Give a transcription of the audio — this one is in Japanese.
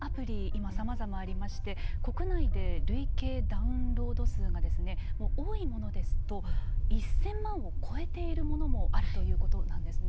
今さまざまありまして国内で累計ダウンロード数が多いものですと１０００万を超えているものもあるということなんですね。